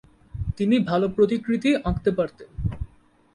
তিনি ভালো প্রতিকৃতি আঁকতে পারতেন।